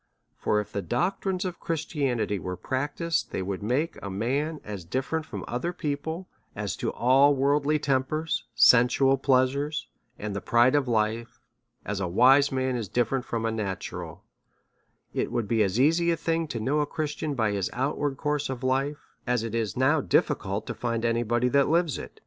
/ For if the doctrines of Christianity were practised, / they would make a man as different from other people as to all worldly tempers, sensual pleasures, and the pride of life, as a wise man is different from a natural ; it would be as easy a thing to know a Christian by his outward course of life, as it is now difficult to find any body that lives it.